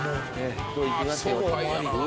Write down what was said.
行きますよ。